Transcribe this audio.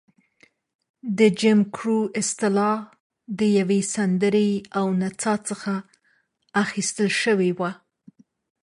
د جیم کرو اصطلاح د یوې سندرې او نڅا څخه اخیستل شوې وه.